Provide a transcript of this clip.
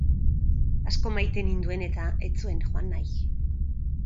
Asko maite ninduen eta, ez zuen joan nahi.